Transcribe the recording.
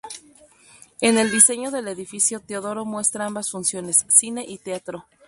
En el diseño del edificio, Teodoro muestra ambas funciones: cine y teatro.